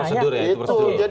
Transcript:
itu prosedur ya